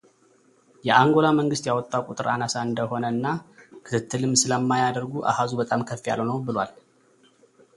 የአንጎላ መንግሥት ያወጣው ቁጥር አናሳ እንደሆነ እና ክትትልም ስለማያደርጉ አሃዙ በጣም ከፍ ያለ ነው ብሏል።